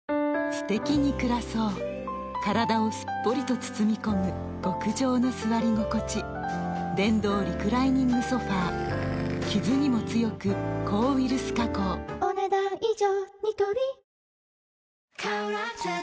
すてきに暮らそう体をすっぽりと包み込む極上の座り心地電動リクライニングソファ傷にも強く抗ウイルス加工お、ねだん以上。